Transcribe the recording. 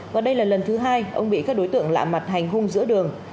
và đây là lần thứ hai ông bị các đối tượng lạ mặt hành hung giữa đường